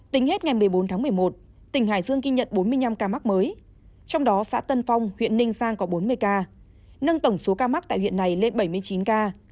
tính hết ngày một mươi bốn tháng một mươi một tỉnh hải dương ghi nhận bốn mươi năm ca mắc mới trong đó xã tân phong huyện ninh giang có bốn mươi ca nâng tổng số ca mắc tại huyện này lên bảy mươi chín ca